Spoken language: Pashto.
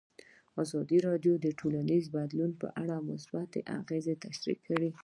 ازادي راډیو د ټولنیز بدلون په اړه مثبت اغېزې تشریح کړي.